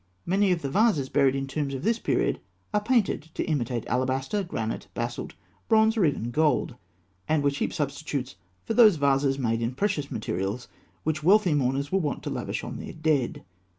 Many of the vases buried in tombs of this period are painted to imitate alabaster, granite, basalt, bronze, and even gold; and were cheap substitutes for those vases made in precious materials which wealthy mourners were wont to lavish on their dead.